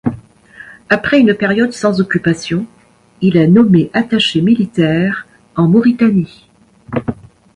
Après une période sans occupation, il est nommé attaché militaire en Mauritanie.